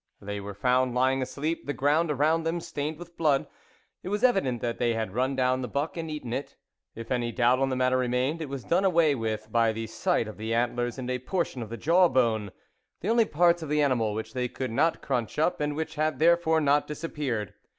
They were found lying asleep, the ground around them stained with blood. It was evident that they had run down the buck and eaten it ; if any doubt on the matter remained, it was done away with by the sight of the antlers, and a portion of the jaw bone, the only parts of the animal which they could not crunch up, and which had therefore not disappeared.